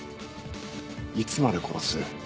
いつまで殺す？